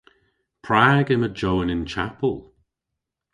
Prag yma Jowan y'n chapel?